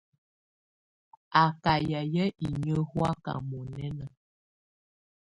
Á kà yayɛ̀á inyǝ́ hɔ̀áka mɔ̀nɛna.